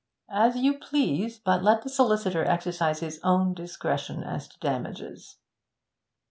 'As you please. But let the solicitor exercise his own discretion as to damages.'